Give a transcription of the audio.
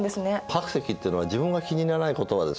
白石っていうのは自分が気に入らないことはですね